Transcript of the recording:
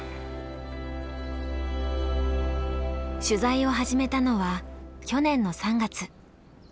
取材を始めたのは去年の３月。